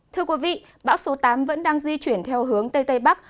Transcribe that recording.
thưa quý vị bão số tám vẫn đang di chuyển theo hướng tây tây bắc